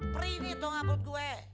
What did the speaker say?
perih nih toh ngapel gue